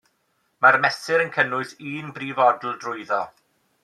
Mae'r mesur yn cynnwys un brifodl drwyddo.